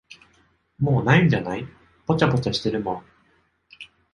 もう無いんじゃない、ぽちゃぽちゃしてるもん。